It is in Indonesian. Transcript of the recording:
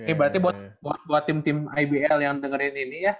eh berarti buat tim tim ibl yang dengerin ini ya